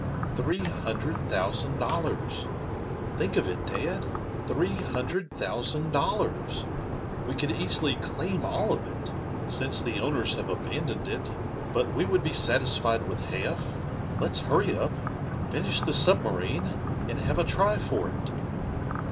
Three hundred thousand dollars! Think of it, dad! Three hundred thousand dollars! We could easily claim all of it, since the owners have abandoned it, but we would be satisfied with half. Let's hurry up, finish the submarine, and have a try for it."